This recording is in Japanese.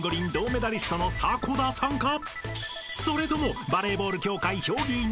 ［それとも］